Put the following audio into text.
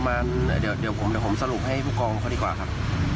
ประมาณเดี๋ยวผมสรุปให้ผู้กองเขาดีกว่าครับ